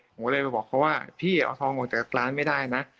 ผมก็เลยไปบอกเขาว่าพี่เอาทองออกจากร้านไม่ได้นะ